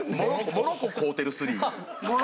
「モロコ飼うてる３」？